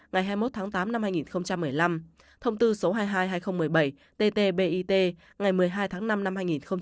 ngày hai mươi một tháng tám năm hai nghìn một mươi năm thông tư số hai mươi hai hai nghìn một mươi bảy tt bit ngày một mươi hai tháng năm năm hai nghìn một mươi bảy